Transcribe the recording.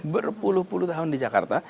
berpuluh puluh tahun di jakarta